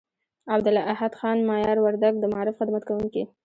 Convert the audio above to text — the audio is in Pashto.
عبدالاحد خان مایار وردگ، د معارف خدمت کوونکي